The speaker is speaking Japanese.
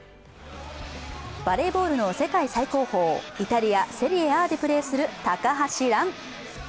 バレーボールの世界最高峰イタリア・セリエＡでプレーする高橋藍。